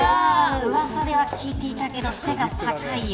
うわさでは聞いていたけど背が高いよ。